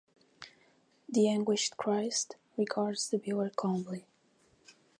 The anguished Christ regards the viewer calmly.